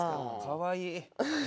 かわいい。